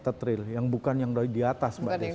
tetril yang bukan yang di atas